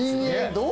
どう？